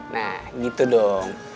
nah gitu dong